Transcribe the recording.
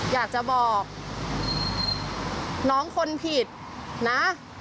อยากจะบอกน้องคนผิดนะ